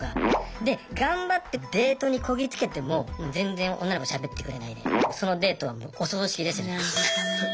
で頑張ってデートにこぎつけても全然女の子しゃべってくれないでそのデートはもうお葬式ですよね。